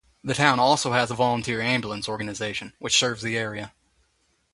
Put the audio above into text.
The Town also has a volunteer ambulance organization which serves the area.